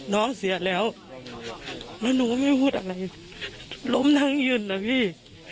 น้องเสียแล้วล้านหนูก็ไม่พูดอะไรล้มจังหยื่อเลยพี่